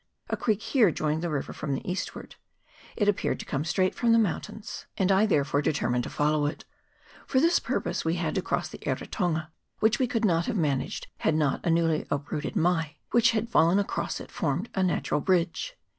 A creek here joined the river from the eastward ; it appeared to come straight from the mountains, and I therefore determined to follow itg^ For this purpose we had to cross the Eritonga, which we could not have managed had not a newly t^fifooted mai, which had fallen across it, formed a natural bridge.